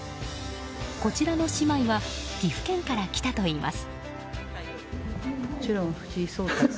こちらの姉妹は岐阜県から来たといいます。